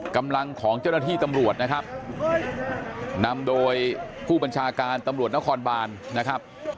กำลังของเจ้าหน้าที่ตำรวจนะครับนำโดยผู้บัญชาการตำรวจนครบานนะครับ